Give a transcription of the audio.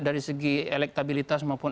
dari segi elektabilitas maupun